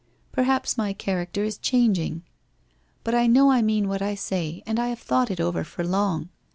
Perhaps my character is changing? But I know I mean what I say and I have thought it over for long.